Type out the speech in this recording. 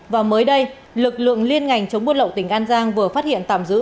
và mới đây lực lượng liên ngành chống buôn lậu tỉnh an giang vừa phát hiện tạm giữ